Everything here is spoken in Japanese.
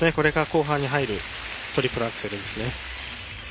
後半に入るトリプルアクセルでしたね。